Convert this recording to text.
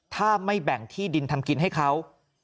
ถ้าไม่แบ่งที่ดินทำกินให้เขา